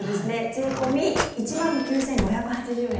税込み１万９５８０円。